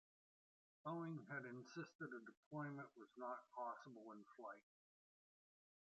Boeing had insisted that a deployment was not possible in flight.